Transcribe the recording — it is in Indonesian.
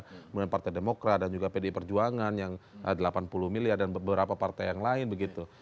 kemudian partai demokrat dan juga pdi perjuangan yang delapan puluh miliar dan beberapa partai yang lain begitu